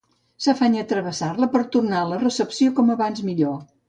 S'afanya a travessar-la per tornar a la recepció com abans millor.